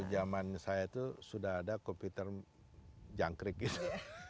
zaman saya itu sudah ada komputer jangkrik gitu